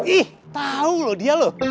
ih tahu loh dia loh